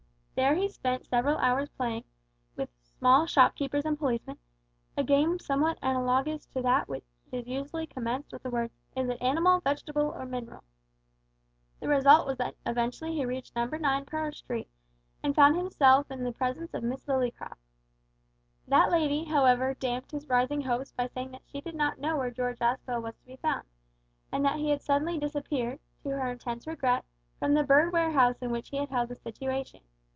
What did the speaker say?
There he spent several hours in playing, with small shopkeepers and policemen, a game somewhat analogous to that which is usually commenced with the words "Is it animal, vegetable, or mineral?" The result was that eventually he reached Number 9 Purr Street, and found himself in the presence of Miss Lillycrop. That lady, however, damped his rising hopes by saying that she did not know where George Aspel was to be found, and that he had suddenly disappeared to her intense regret from the bird warehouse in which he had held a situation.